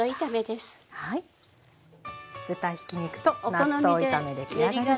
豚ひき肉と納豆炒め出来上がりです。